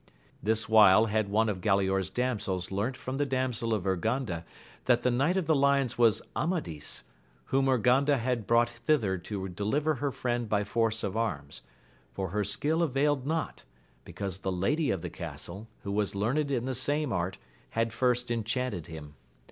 This while had one of Galaor's damsels learnt from the damsel of Urganda that the knight of the lions was Amadis, whom Urganda had brought thither to deliver her friend by force of arms; for her skill availed not, because the lady of the castle, who was learned in the same art, had first enchanted him.